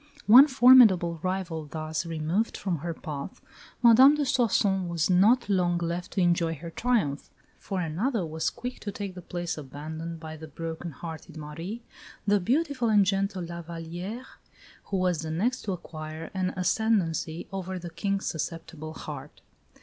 One formidable rival thus removed from her path, Madame de Soissons was not long left to enjoy her triumph; for another was quick to take the place abandoned by the broken hearted Marie the beautiful and gentle La Vallière, who was the next to acquire an ascendancy over the King's susceptible heart.